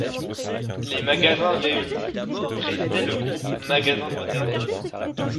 Les Magasins réunis présidaient le groupe Magasin moderne.